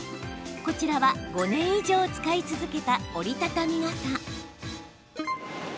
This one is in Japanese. こちらは５年以上使い続けた折り畳み傘。